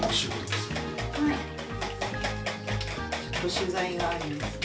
取材があります。